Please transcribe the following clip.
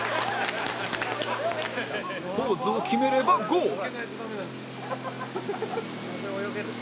ポーズを決めればゴール